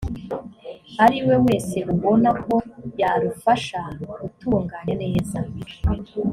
ari we wese rubona ko yarufasha gutunganya neza